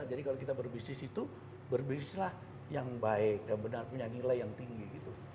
jadi kalau kita berbisnis itu berbisnislah yang baik dan benar punya nilai yang tinggi gitu